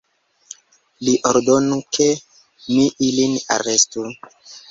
Li ordonu, ke mi ilin arestu!